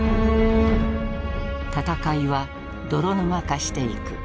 戦いは泥沼化していく。